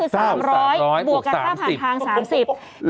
บวกกับค่าผ่านทาง๓๐